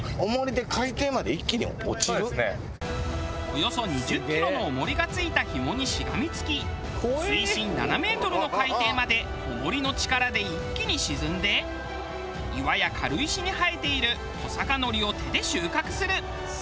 およそ２０キロの重りが付いたひもにしがみつき水深７メートルの海底まで重りの力で一気に沈んで岩や軽石に生えているトサカノリを手で収穫する。